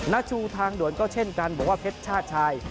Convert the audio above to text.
ชูทางด่วนก็เช่นกันบอกว่าเพชรชาติชาย